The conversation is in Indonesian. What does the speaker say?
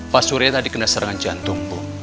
pak surya tadi kena serangan jantung bu